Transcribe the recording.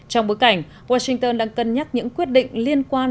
trong bối cảnh washington đang cân nhắc những quyết định liên quan